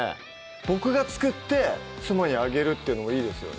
ボクが作って妻にあげるっていうのもいいですよね